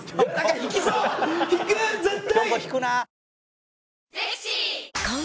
引く絶対！